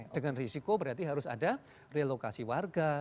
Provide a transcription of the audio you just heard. dengan risiko berarti harus ada relokasi warga